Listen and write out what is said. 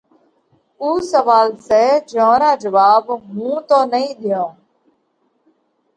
اُو سوئال سئہ جيون را جواٻ ھُون تو نئين ۮيون۔